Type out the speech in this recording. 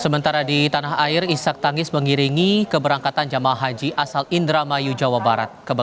sementara di tanah air isak tangis mengiringi keberangkatan jemaah haji asal indramayu jawa barat